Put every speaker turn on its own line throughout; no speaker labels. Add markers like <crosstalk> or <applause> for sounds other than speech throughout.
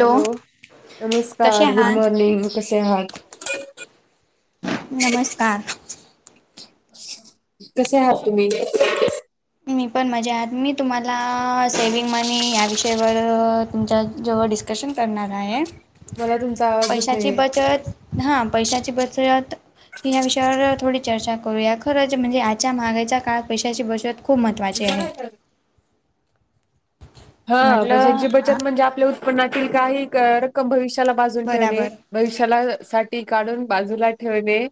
Hello,
कसे
नमस्कार. Good
आहात?
मॉर्निंग. कसे आहात?
नमस्कार.
कसे आहात तुम्ही?
मी पण मजात मी तुम्हाला सेविंग मनी या विषयवर तुमच्या जवळ डिस् कशन करणार आहे.
मला तुमचा आवाज येत
पैशाची बचत हा. पैशाची बचत या विषयावर थोडी चर्चा करूया, खरंच म्हणजे आजच्या माहागाईच्या काळात पैशाची बचत खूप म
तुमच्याकडं हाय काय? हा.
म्हटलं
पैशांची बचत म्हणजे आपल्या उत्पन्नातील काही रक्कम भविष्याला बाजून ठेवणे.
बराबर
भविष्याला साठी काढून बाजूला ठेवणे.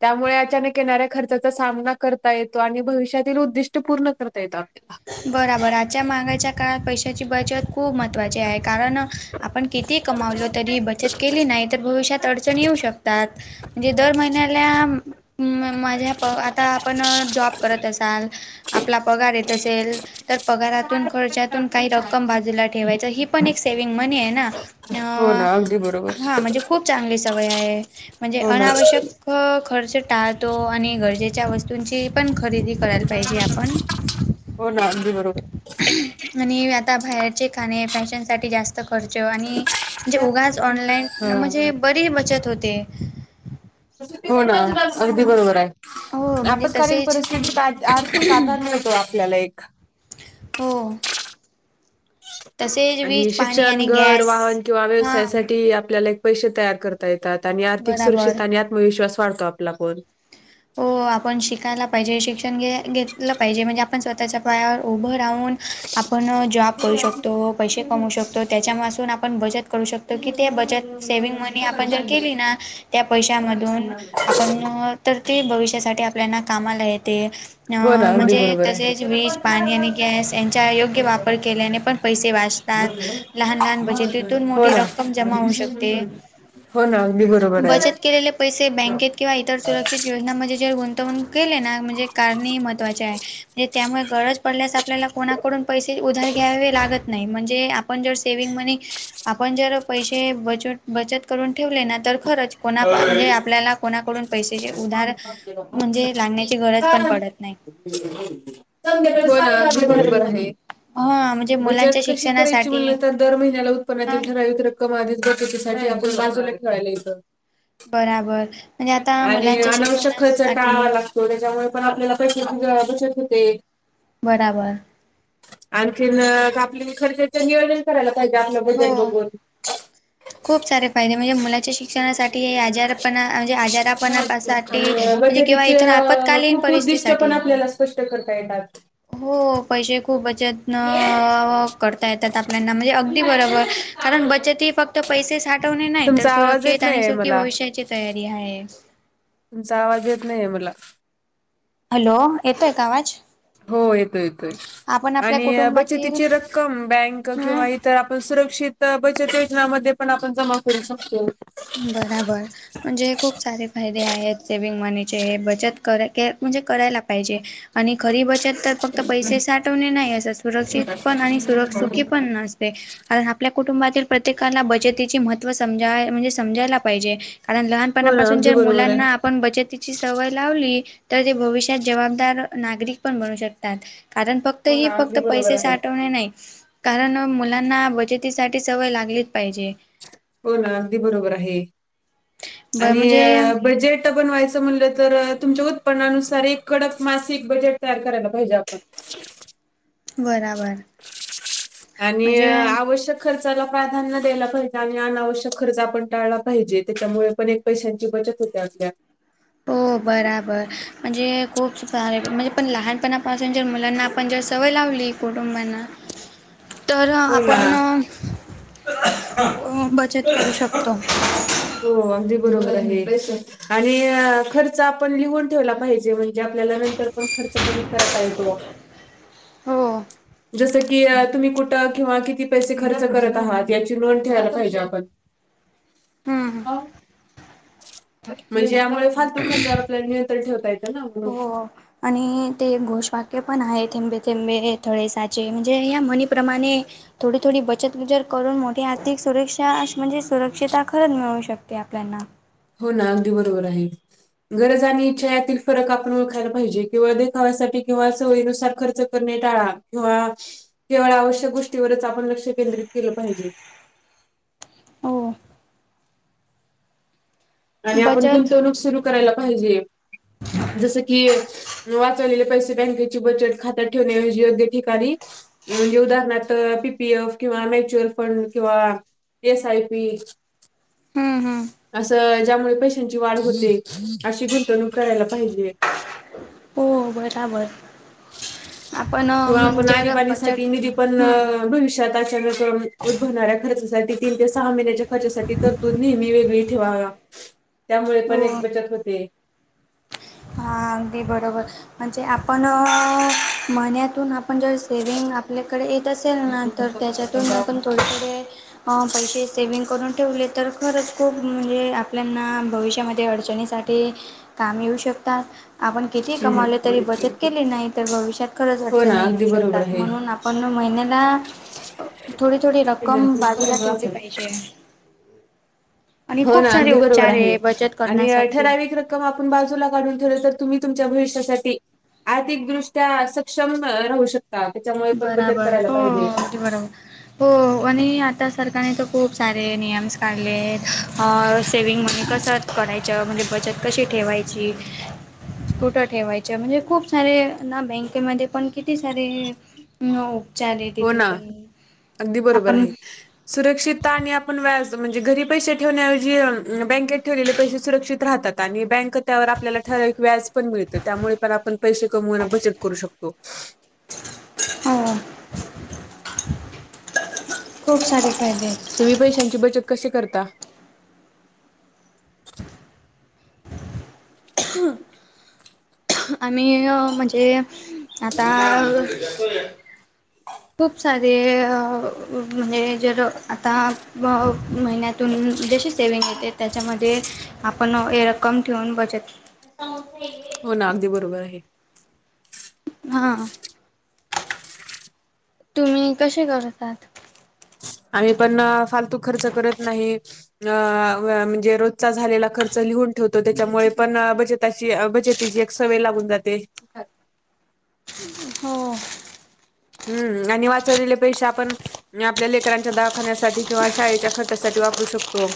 त्यामुळे अचानक येणाऱ्या खर्चाचा सामना करता येतो आणि भविष्यातील उद्दिष्ट पूर्ण करता येतात.
बराबर आजच्या महागाईच्या काळात पैशा ची बचत खूप महत्त्वाची आहे, कारण आपण किती कमावलो तरी बचत केली नाही तर, भविष्यात अडचण येऊ शकतात. म्हणजे दर महिन्याला माझ्या प आता आपण जॉब करत असाल आपला पगार ये त असेल तर, पगारातून खर्च्या तुन काही रक्कम बाजूला ठेवायच ही पण एक सेव्हिंग मनी हे ना?
हो
अ..
ना अगदी बरोबर
हा म्हणजे खूप चांगली सवय आहे म्हणजे
हो ना
अनावश्यक अ.. खर्च टाळतो आणि गरजेच्या वस्तूंची पण खरेदी करायला पाहिजे आपण.
हो ना अगदी बरोबर.
आणि आता बाहेरचे खाणे फॅशनसाठी जास्त खर्च आणि म्हणजे उगाच ऑनलाईन
हा
म्हणजे बरी बचत होते.
हो ना अगदी बरोबर हाय.
हो म्हणजे
आपत्कालीन
तसेच
परिस्थितीत आर्थिक आधार मिळतो आपल्याला एक.
हो. तसेच
आणि
वीज पाणी
शिक्षण,
आणि
घर,
गॅस
वाहन किंवा
हां
व्यवसायासाठी आपल्याला एक पैसे तयार करता येतात आणि आर्थिक
बराबर
सुरक्षितता आणि आत्मविश्वास वाढतो आपला पण
हो. आपण शिकायला पाहिजे. शिक्षण घ्या घेतलं पाहिजे म्हणजे, आपण स्वतःच्या पायावर उभं राहून आपण जॉब करू शकतो. पैसे कमवु शकतो. त्याच्या मासून आपण बचत करू शकतो ते बचत सेविंग मनी आप जर केली ना त्या पैशा मधून आपण अ--तर ते भविष्यासाठी आपल्याना कामाला येते अ..
हो ना अगदी
म्हणजे
बरोबर आहे.
तसेच वीज पाणी आणि गॅस यांचा योग्य वापर केल्याने पण पैसे वाचतात. लहान- लहान बचतीतून
हो
मोठी
ना.
रक्कम जमा होऊ शकते
हो ना. अगदी बरोबर
बचत
हाय.
केलेले पैसे बँकेत किंवा इतर सुरक्षित योजना म्हण जे गुंतवूक केले ना म्हणजे कारणे ह महत्त्वाचे आहे. त्यामुळे गरज पडल्यास आपल्याला कोणाकडून पैसे उधार घ्यावे लागत नाही म्हणजे आ पण जेव्हा सेविंग मनी आपण जर पैसे बचट- बचत करून ठेवले ना तर खरंच कोणा म्हणजे आपल्याला कोणाकडून
<inaudible> का
पैसेचे
- - हो
उधार
ना.
म्हणजे लागण्याची गरज पण पडत नाही.
अगदी बरोबर आहे.
हा म्हणजे मुलांच्या
बचत कशी करायची
शिक्षणासाठी
म्हणलतर दर महिन्याला
हा
उत्पन्नातील ठराविक रक कम आधीच बचतीसाठी आपून बाजूला ठेवायला इथं
बराबर अणि आता - -
आणि अनावश्यक खर्च टाळावा लागतो. त्यांच्यामुळे पणं आपल्याला पैसे बचतं होते.
बराबर.
आणखीन आपल्या खर्चाचं नियोजंन करायंला पाहिजे आपलं बजेट
हो.
बघून.
खूप सारे फायदे म्हणजे मुलाच्या शिक्षणासाठी, हे आजार पण म्हणजे आजारापणासाठी
आणि
म्हणजे किंवा
बचतीचे
इतर
अ,
आपत्कालीन
खूप उद्दिष्ट पण
परिस्थितीसाठी
आपल्याला स्पष्ट करता येतात.
हो पैसे खूप बचतन करता येतात आपल्याना म्हणजे अगदी बरोबर कारण बचत ही फक्त पैसे साठवणे नाही तर
तुमचा आवाज येत
सुरक्षित आणि
नाहीये
सुखी
मला
भविष्याची तयारी आहे.
तुमचां आवाज येतं नाहीे आहे मला.
हॅलो येतोय का आवाज.
हो येतोय येतोय.
आपण आपल्या
आणि
कुटुंबातील
बचतिची रक्कम बँक किंवा इतर आपणं सुरक्षित तरं बचतीचमध्ये पणं आपणं जमा करूं शकतो.
बराबर. म्हणजे हे खूप सारे फायदे आहेत सेविंग मनीचे हे बचत क के म्हणजे करायला पाहिजे. आणि खरी बचतं तरं फक्तं पैसे साठवणे नाहीं असतं सुरक्षित पणं आणि सुर सुुखी पणं नसते. कारण आपल्या कुटुंबांतील प्रत्येकाला बचतीचे महत्त्व समजाय म्हणजे समजांयला पाहिजे कारणं लहान लहान
हो ना
पासुन
अगदी
जे
बरोबर
मुलांना
आहे.
आप आपणं बचतीची सवय लावली तरं ते भविष्यांत जबांबदार नागरिक पणं बनू शकतांत. कारणं फक्तं
हो
हे
ना अगदी
फक्तं
बरोबर
पैसे
आहे
साठवणे नाहीं कारणं मुलांना बचतीसांठी सवय लागलीचं पाहिजे.
हो ना अगदी बरोबर आहे
ब
आणि
म्हणजे
बजेट बजेट बनवायचं म्हटलं तरं तुमच्यां उत्पन्नानुसार एक कडक मासिकं बजेट तयार करायला पाहिजे आपणं.
बराबर
आणि अ,
म्हणजे
आवश्यक खर्चाला प्राधान्य द्यायला पाहिजे. आणि अनावश्यक खर्च आपणं टाळला पाहिजे त्यांच्यामुळे पणं एक पैशांची बचतं होते आपल्यां.
हो बराबर म्हणजे खूप सारे म्हणजे पणं लहानपणापासून जर मुलांना आप पण जर सवंय लावली कुटुंबांना तरं
हो ना.
आपणं बचतं करूं शकतो.
हो अगदी बरोबर आहे. आणि खर्च आपणं लिहून ठेवला पाहिजे म्हणजे आपल्याला नंतर पणं खर्च कमी करतां येतो.
हो.
जसं की तुम्ही कुठं किंवा किती पैसे खर्च करत आहात यांची नोंद ठेवायला पाहिजे आपणं.
हम्म
म्हणजे यांमुळे फार दुखतं खर्चावर आपल्याला नियंत्रण ठेवता येते नां म्हणून.
हो आणि ते घोषवाक्य पणं आहे थेंबे थेंबे तळेसाचे म्हणजे ह्यां म्हणीप्रमाणे थोडी थोडी बचूत गुजर करूंन मोठी आर्थिक सुरक्षा म्हणजे सुरक्षिततां खरंच मिळू शकते आपल्यांना.
हो ना अगदी बरोबर आहे. गरज आणि इच्छयातील फरक आपण ओळखांयला पाहिजे किंवा देखा्यासाठी किंवा सवयीनुसार खर्च करणे टाळा किंवा केवळ आवश्यक गोष्टींवरच आपण लक्ष्य केंद्रित केलं पाहिजे.
हो
आणि आपणं
बचत
गुंतवणूक सुरु करायंला पाहिजे जसं की वाचवलेले पैसे बँकेची बचतं खात्यात ठेवण्यांऐवजी योग्य ठिकाणी म्हणजे उदाहरणार्थ पी पी एफ किंवा म्युच्युअल फंड किंवा एस आय पी
हम्म हम्म
असं त्यामुळें पैशांची वाढ होते अशी गुंतवणूक करायलां पाहिजे.
हो बराबर. आपण अ
किंवा आपणं
जर
आणीबाणी साठी
बजेट
निधी
हम्म
पणं भविष्यांत <unintelligible> उद्भवणाऱ्या खर्चासाठी तीन ते सहा महिन्याच्या खर्चासाठी तरतूद नेहमी वेगळी ठेवावा. त्यामुळे पण
हो
एक बचत होते.
अगदीं बरोबर म्हणजे आपण महिन्यातून आपण जे सेव्हिग आ आपल्याकडे येत असेल ना तर त्याच्यातून पण थोडे थोडे पैसे सेव्हिंग करून ठेवले तर खरंच खूप म्हणजे आपल्याना भविष्यामध्ये अडचणीस सांठी कामे येऊं शकतांत. आपण किती कमावले तरी बचतं केली नाहीं तरं भविष्यांत खरंच
हो ना
अडचणी येऊ
अगदी बरोबर
शकतांत
आहे.
म्हणून आप पणं महिन्यांला थोडी थोडी रक्कम बाजूला ठेवली पाहिजे ह् <unintelligible> <unintelligible>
हो नां अगदीं बरोबर आहे
बचत
आणि
करण्यासाठी.
ठराविक कवा आपणं बाजूला काढून ठेलं तरं तुम्हीं तुमच्यां भविष्यांसांठी आर्थिकदृष्ट्या सक्षम राहू शकतांत त्यांच्यामुळे पणं बचतं करायला पाहिजे
बरोब हो आणि आता सरकारने तर खूप सारे नियमंस काढले आहेत. अ सेविंग मनी कसं करायचं म्हणजे बचत कशी ठेवायची कुठ ठेवायच म्हणजे खूप सारे ना बँकेमध्ये पण किती सारें <unintelligible> <unintelligible>
हो ना अगदी बरोबर
आपण
आहे. <unintelligible> सुरक्षितता आणि आपण व्याज म्हणजे घरी पैसे ठेवण्याऐवजी अ बँकेत ठेवलेले पैसे सुरक्षित राहतात. <unintelligible> आणि बँक त्यावर आपल्याला ठराविक व्याज पण मिळतं, त्यामुळे पण आपण पैसे कमवून बचत करू शकतो. <unintelligible>
हो. <unintelligible> खूप सारे फायदे आहेत <unintelligible>
तुम्ही पैशांची बचत कशी करता? <unintelligible>
<inaudible> <unintelligible> आम्ही अ म्हणजे आता अ <unintelligible> खूप सारे अ म्हणजे जे रो आता भ महिन्यांत तून जशी सेव्हिंग येते त्याच्यामध्ये आपण ये रक्कम ठेवून बचत <unintelligible> <unintelligible>
हो ना अगदी बरोबर आहे. <unintelligible>
हां तुम्ही कशी करतात?
आम्ही पण अ फालतू खर्च करत नाहीत <unintelligible> अ म्हणजे रोजचा झालेला खर्च लिहून ठेवतो त्याच्यामुळे अ पण बचताशी ब <unintelligible> त्याची एक सवय लागून जाते. <unintelligible>
हो. <unintelligible>
हम्म आणि वाचवलेले पैशे आपण <unintelligible> नी आपल्या लेकरांच्या दावाखान्यासाठी किंवा शाळेच्या खर्चसाठी वापरू शकतो.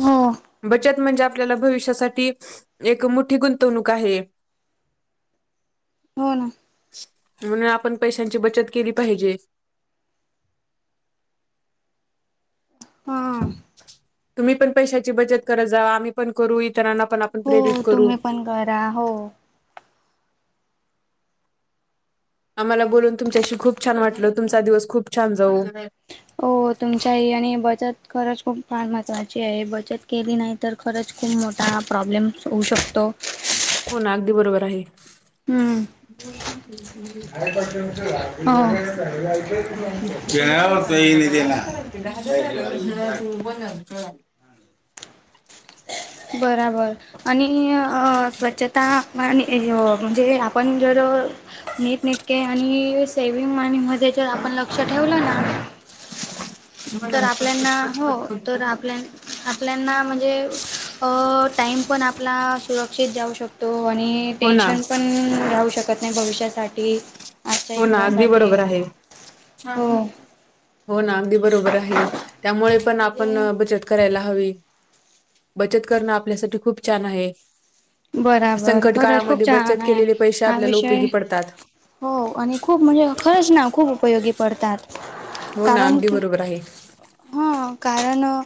हम्म. <unintelligible>
बचत म्हणजे आपल्याला भविष्यासाठी एक मोठी गुंतवणूक आहे.
हो ना
म्हणून आपण पैशांची बचत केली पाहिजे. <unintelligible>
हम्म. <unintelligible>
तुम्ही पण पैशाची बचत करत जावा आम्ही पण करू इतरांना पण आपण
हो
प्रेरित करूं.
तुम्ही पण करा हो <unintelligible>
आम्हाला बोलून तुमच्याशी खूप छान वाटलं तुमचा दिवस खूप छान जा
हो तुमच्याही आणि बचत खरच खूप फार महत्त्वाची आहे बचत केली नाही तर खरंच खूप मोठा प्रॉब्लेम्स होऊ शकतो.
हो ना अगदी बरोबर आहे. <unintelligible>
हम्म हो. <unintelligible>
खू अंचळ <unintelligible>
बराबर <unintelligible> आणि अ स्वच्छता आणि ओ आणि म्हणजे आपण जर नीटनटके आणि सेवि्हंग मनी मध्ये आपण लक्ष ठेवलं ना तर आपल्याना हो तर आपल्या <unintelligible> आपल्याना म्हणजे अ टाईम पण आपला सुरक्षित जाऊ शकतो आणि <unintelligible>
हो ना
टेन्शन पण घेऊ शकत नाही भविष्यासाठी <unintelligible> टीप आजच्या
हो ना अगदी
युगासाठी
बरोबर आहे.
हो.
हो ना अगदी बरोबर आहे त्यामुळे पण अ आपण
म्हणजे
बचत करायला हवी बचत करणं आपल्यासाठी खूप छान आहे.
बराबर
संकट
खरंच खूप
काळामध्ये
छान
बचत
आहे
केलेले पैसे
हा
आपल्याला उपयोगी
विषय
पडतात.
हो आणि खूप म्हणजे खरंच ना खूप उपयोगी पडतात.
हो ना. अगदी बरोबर आहे.
हो. कारण अ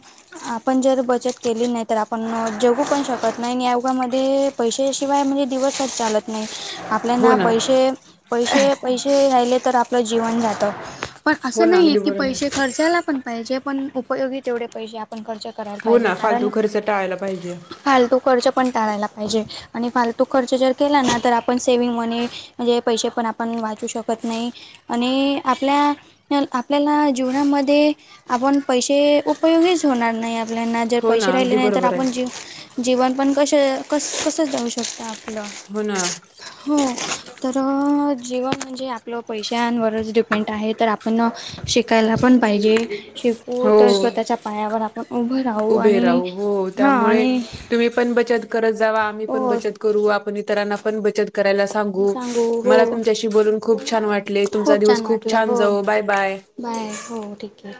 आपण जर बचत केली नाही तर आपण जगू पण शकत नाही आणि या युगामध्ये पैशाशिवाय म्हणजे दिवस चालत नाही आ
हो
आपल्याना
ना
पैसे पैसे पैसे राहिले तर आपलं जीवन जातं. पण
हो
असं
ना
नाहीये
अगदी
की
बरोबर आहे.
पैसे खर्चाला पण पाहिजे पण उपयोगी तेवढे पैसे आपण खर्च करायला
हो
पाहिजे
ना
कारण
फालतू खर्च टाळायला पाहिजे
फालतू खर्च पण टाळायला पाहिजे आणि फालतू खर्च जर केला ना तर आपण सेविंग मनी म्हणजे पैसे पण आपण वाचू शकत नाही. आणि आपल्या आपल्याला जीवनामध्ये आपण पैसे उपयोगीच होणार नाही आपल्याना, जर
हो
पैसे
ना
राहिले
अगदी
नाही तर
बरोबर
आपण जीव
आहे
जीवन पण कशं कस कसं जाऊ शकत आपलं.
हो ना.
हो. तर जीवन म्हणजे आपलं पैशांन वरच डिपेंड आहे तर आपण शिकायला पण पाहिजे. शिकू
हो
तर स्वतःच्या पायावर आपण उभ
उभे राहू हो त्यामुळे तुम्ही पण बचत करत जावा आम्ही पण
हो
बचत करू. आपण इतरांना पण बचत करायला सांगू. मला तुमच्याशी बोलून खूप छान वाटले. तुमचा दिवस खूप छान जावो. Bye bye.
बाय. हो ठीक ये.